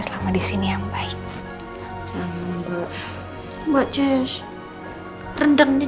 seperti nino kemarin